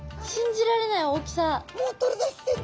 もう取り出してる。